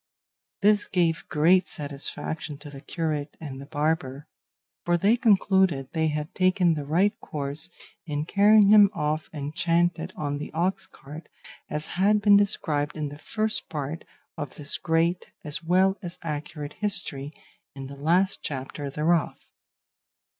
This gave great satisfaction to the curate and the barber, for they concluded they had taken the right course in carrying him off enchanted on the ox cart, as has been described in the First Part of this great as well as accurate history, in the last chapter thereof.